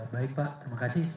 baik pak terima kasih